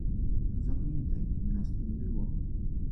Zapamiętaj: nas tu nie było.